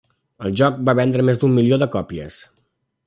El joc va vendre més d'un milió de còpies.